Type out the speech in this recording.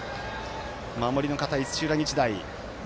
守りの堅い、土浦日大。